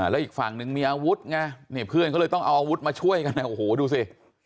แล้วอีกฝั่งนึงมีอาวุธไงนี่เพื่อนก็เลยต้องเอาอาวุธมาช่วยกันโอ้โหดูสิ